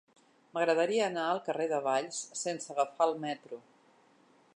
M'agradaria anar al carrer de Valls sense agafar el metro.